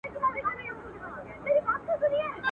عزیز دي راسي د خپلوانو شنه باغونه سوځي.